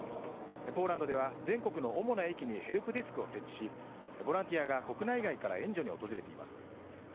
ポーランドでは全国の主な駅にヘルプデスクを設置しボランティアが国内外から援助に訪れています。